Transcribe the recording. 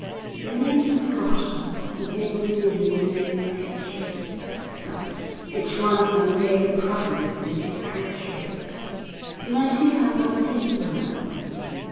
Their names are forgotten, and only students know their history, but each one of them gave a province to his country. And I too have my place among them.